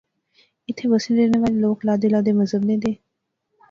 ایتھیں بسنے رہنے والے لوک لادے لادے مذہب نے دے